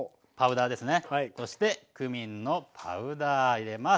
そしてクミンのパウダー入れます。